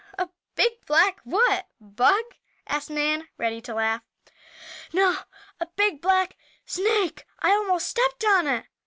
"A big black what bug?" asked Nan, ready to laugh. "No! a big black snake! I almost stepped on it."